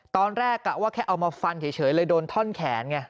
ตอนแรกว่าแค่เอามาฟันเฉยเลยโดนท่อนแขนไง